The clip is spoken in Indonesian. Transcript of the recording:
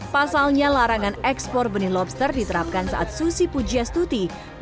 pasalnya larangan ekspor benih lobster diterapkan saat susi pujiastuti